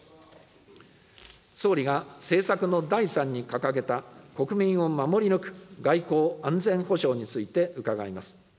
総理が政策の第３に掲げた国民を守り抜く、外交・安全保障について伺います。